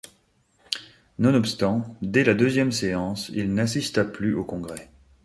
Nonobstant, dès la deuxième séance, il n'assista plus au congrès.